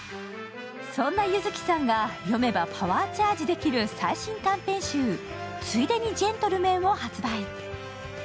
そんな柚木さんが、読めばパワーチャージできる新作短編集「ついでにジェントルメン」を発売。